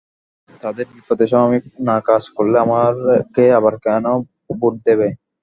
তাদের বিপদের সময় আমি না কাজ করলে আমাকে আবার কেন ভোট দেবে?